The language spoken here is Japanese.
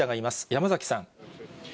山崎さん。